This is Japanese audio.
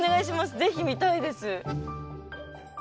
ぜひ見たいです。